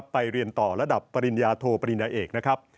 ไปเรียนต่อระดับปริญญาโทปริญญาเอกนะครับ